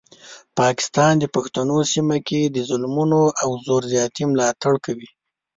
پاکستان د پښتنو سیمه کې د ظلمونو او زور زیاتي ملاتړ کوي.